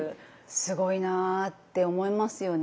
すごいなって思いますよね。